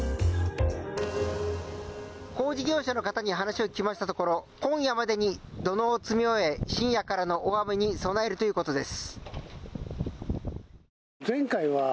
工事業者の方に話を聞きましたところ今夜までに土のうを積み終え深夜からの大雨に備えるということです。